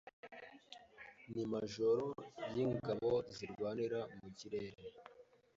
ni majoro yingabo zirwanira mu kirere.